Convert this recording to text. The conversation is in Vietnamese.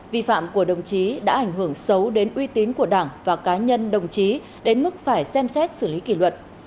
vi phạm của đồng chí đã ảnh hưởng xấu đến uy tín của đảng và cá nhân đồng chí đến mức phải xem xét xử lý kỷ luật